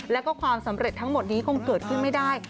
แล้วก็ความสำเร็จทั้งหมดนี้คงเกิดขึ้นไม่ได้